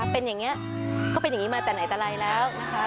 เป็นอย่างนี้ก็เป็นอย่างนี้มาแต่ไหนแต่ไรแล้วนะคะ